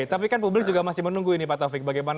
tapi kan publik juga masih menunggu ini pak taufik bagaimana